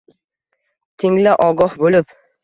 — Tingla ogoh bo’lib